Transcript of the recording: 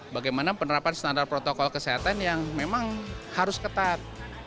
bagaimana penerapan standar protokol kesehatan yang memang harus ketat